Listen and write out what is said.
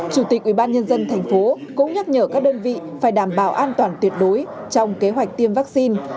chủ tịch ubnd tp cũng nhắc nhở các đơn vị phải đảm bảo an toàn tuyệt đối trong kế hoạch tiêm vaccine